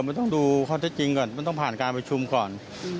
ไม่ต้องดูข้อใจจริงไม่ต้องผ่านการประชุมก่อน